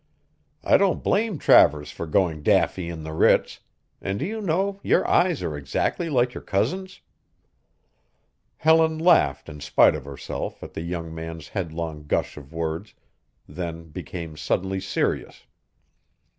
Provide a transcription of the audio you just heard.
"I don't blame Travers for going daffy in the Ritz, and do you know your eyes are exactly like your cousin's!" Helen laughed in spite of herself at the young man's headlong gush of words, then became suddenly serious.